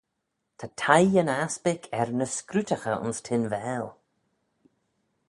Ta teiy yn aspick er ny scrutaghey ayns Tinvaal.